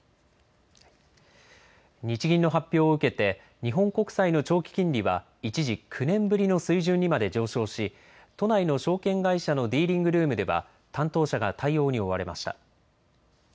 日銀の発表を受けて、日本国債の長期金利は一時、９年ぶりの水準にまで上昇し、都内の証券会社のディーリングルームでは、担当者が対応に追われました。